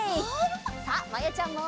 さあまやちゃんも。